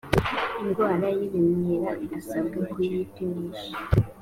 indwara y ibimyira asabwe kuyipimisha